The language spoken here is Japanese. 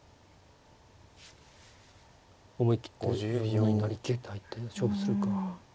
思い切って成桂と入って勝負するか。